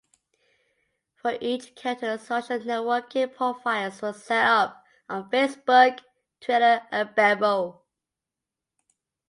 For each character, social networking profiles were set up on Facebook, Twitter, and Bebo.